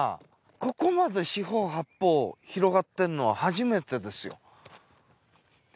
ここまで四方八方広がってるのは初めてですよ。